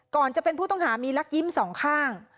ก่อนจะเป็นผู้ต้องหามีลักยิ้มสองข้าง